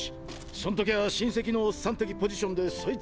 そん時は親戚のおっさん的ポジションでそいつを見定めて。